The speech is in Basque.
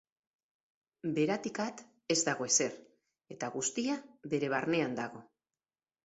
Beratik at ez dago ezer eta guztia Bere barnean dago.